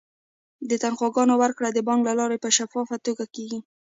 د تنخواګانو ورکړه د بانک له لارې په شفافه توګه کیږي.